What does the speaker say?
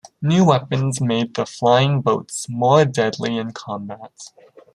New weapons made the flying boats more deadly in combat.